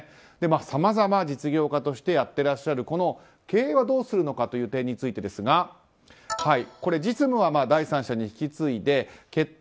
さまざま実業家としてやってらっしゃる経営はどうするのかという点についてですが実務は第三者に引き継いで決定